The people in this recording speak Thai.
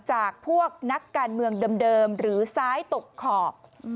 จากพวกนักการเมืองเดิมหรือซ้ายตกขอบ